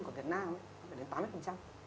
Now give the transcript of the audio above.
của việt nam là tám mươi